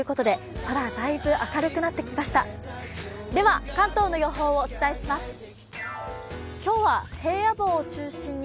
では、関東の予報をお伝えします。